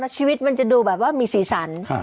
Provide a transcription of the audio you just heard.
แล้วชีวิตมันจะดูแบบว่ามีสีสรร